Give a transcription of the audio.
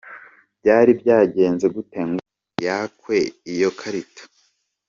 Byari byagenze gute ngo yakwe iyo karita?.